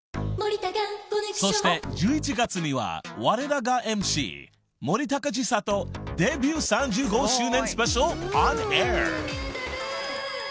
［そして１１月にはわれらがＭＣ森高千里デビュー３５周年スペシャルをオンエア］